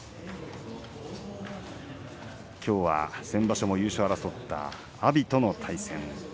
きょうは先場所も優勝を争った阿炎との対戦。